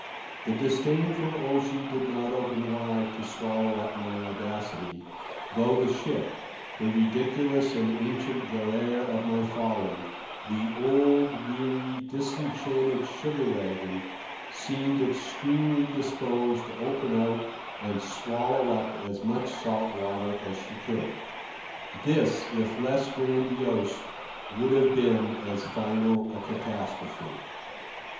The disdainful ocean did not open wide to swallow up my audacity, though the ship, the ridiculous and ancient galère of my folly, the old, weary, disenchanted sugar waggon, seemed extremely disposed to open out and swallow up as much salt water as she could hold. This, if less grandiose, would have been as final a catastrophe.